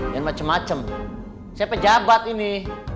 dan macem macem saya pejabat ini